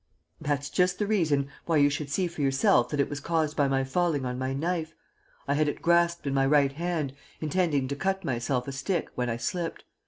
"That's just the reason why you should see for yourself that it was caused by my falling on my knife. I had it grasped in my right hand, intending to cut myself a stick, when I slipped.